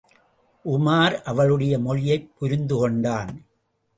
உமார் அவளுடைய மொழியைப் புரிந்து கொண்டான்.